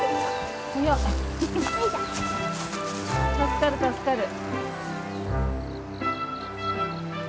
助かる助かる。